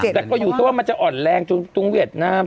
แต่ก็อยู่ซะว่ามันจะอ่อนแรงตรงเวียดนาม